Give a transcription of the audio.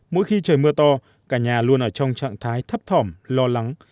mỗi khi trời mưa to cả nhà luôn ở trong trạng thái thấp thỏm lo lắng